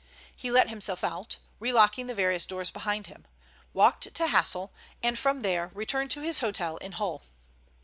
He let himself out and, relocking the various doors behind him, walked to Hassle and from there returned to his hotel in Hull.